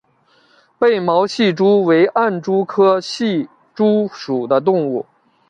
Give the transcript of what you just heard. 被毛隙蛛为暗蛛科隙蛛属的动物。